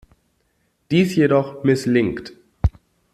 Dies jedoch misslingt.